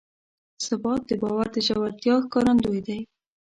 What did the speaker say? ثبات د باور د ژورتیا ښکارندوی دی.